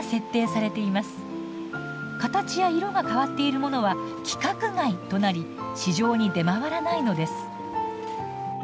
形や色が変わっているものは「規格外」となり市場に出回らないのです。